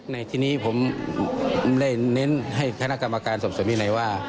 ในทีนี้ผมได้เน้นให้คณะกรรมการสอบส่วนวินัยว่า